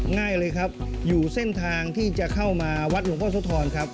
ง่ายเลยครับอยู่เส้นทางที่จะเข้ามาวัดหลวงพ่อสุธรครับ